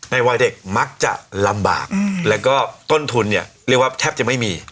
วัยเด็กมักจะลำบากแล้วก็ต้นทุนเนี่ยเรียกว่าแทบจะไม่มี